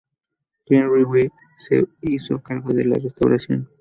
Henry Wy se hizo cargo de la restauración.